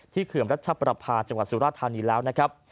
ที่เคยอำรัชประพาทรัพยาสุรานิแล้วนะครับ